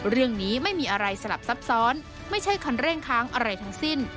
เรื่องนี้ไม่มีอะไรสลับซับซ้อนไม่ใช่คันเร่งค้างอะไรทั้งสิ้น